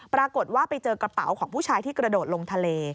ปรากฏว่าไปเจอกระเป๋าของผู้ชายที่กระโดดลงทะเล